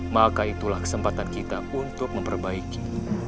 maka itulah kesempatan kita untuk memperbaiki